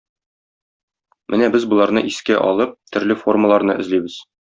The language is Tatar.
Менә без боларны искә алып, төрле формаларны эзлибез.